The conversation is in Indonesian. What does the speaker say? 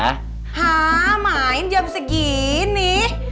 hah main jam segini